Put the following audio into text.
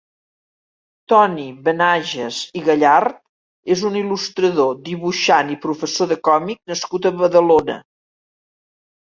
Toni Benages i Gallard és un il·lustrador, dibuixant i professor de còmic nascut a Badalona.